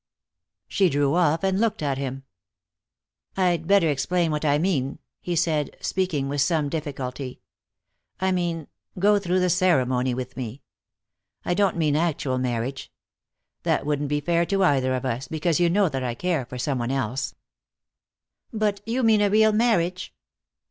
She drew off and looked at him. "I'd better explain what I mean," he said, speaking with some difficulty. "I mean go through the ceremony with me. I don't mean actual marriage. That wouldn't be fair to either of us, because you know that I care for some one else." "But you mean a real marriage?"